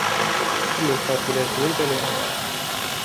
كل الحافلات ممتلئة.